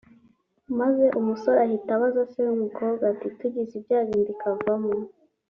Maze umusore ahita abaza se w’umukobwa ati ”tugize ibyago inda ikavamo